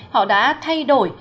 họ đã thay đổi